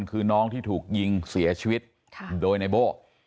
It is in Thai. คือน้องที่ถูกยิงเสียชีวิตโดยในโบ้